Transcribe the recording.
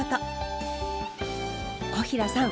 小平さん